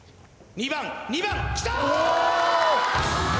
２番２番きた！